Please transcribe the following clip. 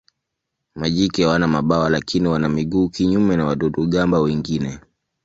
Majike hawana mabawa lakini wana miguu kinyume na wadudu-gamba wengine.